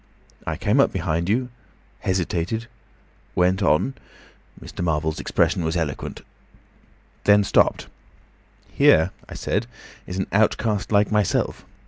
"I came up behind you—hesitated—went on—" Mr. Marvel's expression was eloquent. "—then stopped. 'Here,' I said, 'is an outcast like myself.